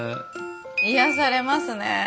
癒やされますね。